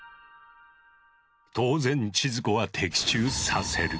当然千鶴子は的中させる。